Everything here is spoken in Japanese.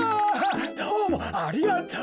どうもありがとう。